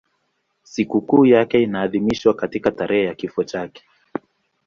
Sikukuu yake inaadhimishwa katika tarehe ya kifo chake.